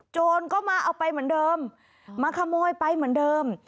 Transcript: โจรก็มาเอาไปเหมือนเดิมมาขโมยไปเหมือนเดิม